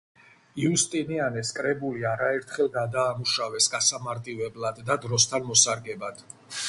იუსტინიანეს კრებული არაერთხელ გადაამუშავეს გასამარტივებლად და დროსთან მოსარგებად.